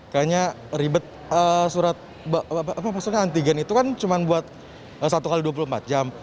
kayaknya ribet surat apa maksudnya antigen itu kan cuma buat satu x dua puluh empat jam